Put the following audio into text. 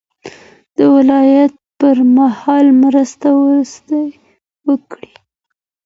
د ولادت پر مهال مرسته ورسره وکړئ.